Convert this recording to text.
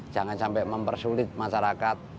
jangan sampai mempersulit masyarakat